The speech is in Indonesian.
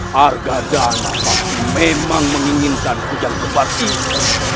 harga dana aku memang menginginkan hujan kembar ini